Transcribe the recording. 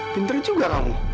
pinter juga kamu